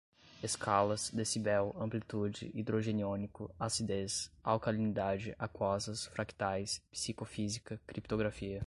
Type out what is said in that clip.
escalas, decibel, amplitude, hidrogeniônico, acidez, alcalinidade, aquosas, fractais, psicofísica, criptografia